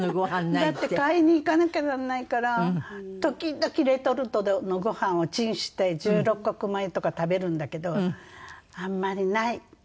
だって買いに行かなきゃなんないから時々レトルトのご飯をチンして十六穀米とか食べるんだけどあんまりない。